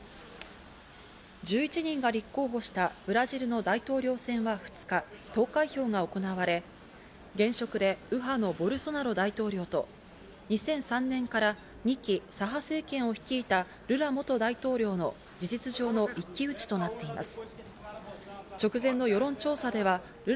１１人が立候補したブラジルの大統領選は２日、投開票が行われ、現職で右派のボルソナロ大統領と２００３年から２期、左派政権を率いたルラ元大統領の事実上の一騎打ちとなっています。